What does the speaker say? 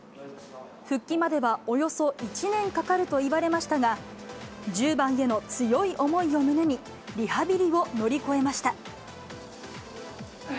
復帰まではおよそ１年かかるといわれましたが、１０番への強い思いを胸にリハビリを乗り越えました。